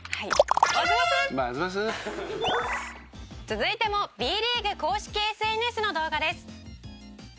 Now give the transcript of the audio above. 「続いてもＢリーグ公式ＳＮＳの動画です」